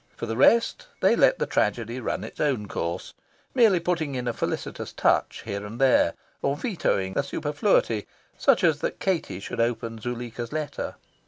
For the rest, they let the tragedy run its own course merely putting in a felicitous touch here and there, or vetoing a superfluity, such as that Katie should open Zuleika's letter.